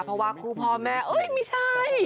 เพราะว่าคู่พ่อแม่เอ้ยไม่ใช่